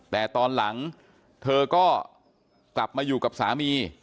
แต่ตอนหลังเธอก็กลับมาอยู่กับสามี